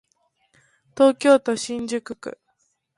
東京都新宿区